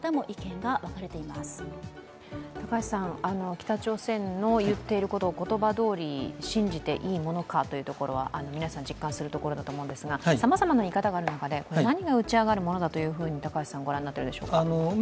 北朝鮮の言っていることを言葉どおり信じていいのかは皆さん実感するところだと思うんですが、さまざまな見方がある中で何が打ち上がるものだとご覧になっていらっしゃるでしょうか？